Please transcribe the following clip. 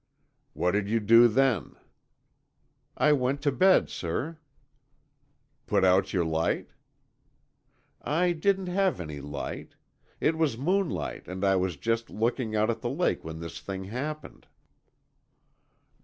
"What did you do then?" "I went to bed, sir." "Put out your light?" "I didn't have any light. It was moonlight and I was just looking out at the lake when this thing happened."